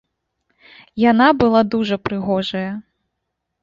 Яна была дужа прыгожая.